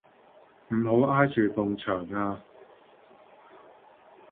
唔好挨住埲牆啊